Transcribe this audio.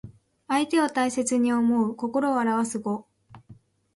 相手を大切に思う心をあらわす語。